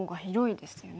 ですよね。